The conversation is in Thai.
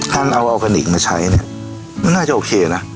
ท่านเอาอลกันนิกมาใช้เนี่ยมันน่าจะโอเคนะ